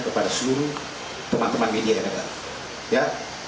kepada seluruh teman teman media negara